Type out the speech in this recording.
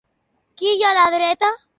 Què hi ha a la dreta?